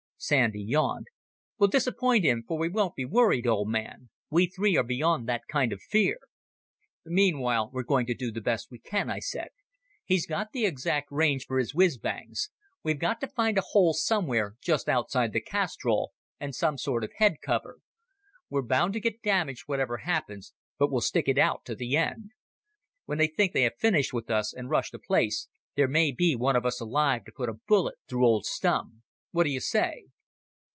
Sandy yawned. "We'll disappoint him, for we won't be worried, old man. We three are beyond that kind of fear." "Meanwhile we're going to do the best we can," I said. "He's got the exact range for his whizz bangs. We've got to find a hole somewhere just outside the castrol, and some sort of head cover. We're bound to get damaged whatever happens, but we'll stick it out to the end. When they think they have finished with us and rush the place, there may be one of us alive to put a bullet through old Stumm. What do you say?"